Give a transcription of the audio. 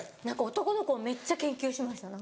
男の子をめっちゃ研究しました。